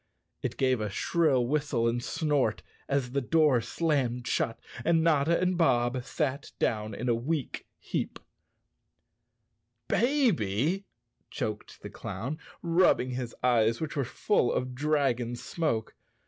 It gave a shrill whistle and snort as the door slammed shut and Notta and Bob sat down in a weak heap. 75 The Cowardly Lion of Oz _ "Baby," choked the clown, rubbing his eyes, which were full of dragon smoke.